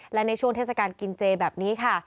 และในช่วงเทศกาลกินเจแบบนี้ค่ะ